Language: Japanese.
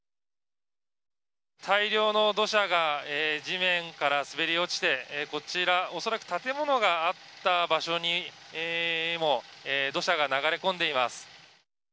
大量の土砂が地面から滑り落ちてこちら、恐らく建物があった場所にも土砂が流れ込んでいます。